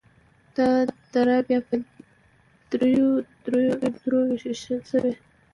دا دره بیا په دریو درو ویشل شوي: